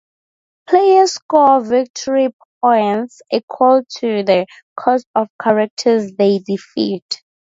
Players score victory points equal to the cost of characters they defeat.